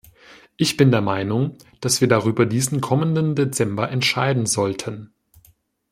Ich bin der Meinung, dass wir darüber diesen kommenden Dezember entscheiden sollten.